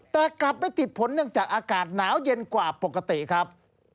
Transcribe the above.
แต่กลับไปติดผลเนื่องจากอากาศหนาวเย็นกว่าปกติครับ